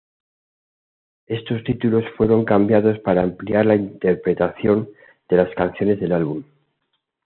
Estos títulos fueron cambiados para ampliar la interpretación de las canciones del álbum.